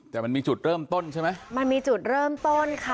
แต่มันมีจุดเริ่มต้นใช่ไหมมันมีจุดเริ่มต้นค่ะ